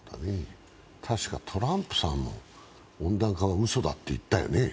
確かトランプさんも温暖化はうそだと言ったよね。